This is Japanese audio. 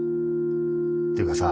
ていうかさ